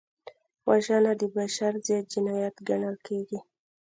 وژنه د بشر ضد جنایت ګڼل کېږي